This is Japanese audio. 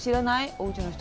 おうちの人。